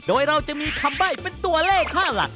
โดยเราจะมีคำใบ้เป็นตัวเลขค่าหลัก